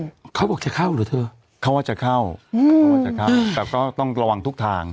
เขาบอกจะเข้าเหรอเธอเขาว่าจะเข้าเขาว่าจะเข้าแต่ก็ต้องระวังทุกทาง